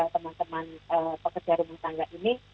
teman teman pekerja rumah tangga ini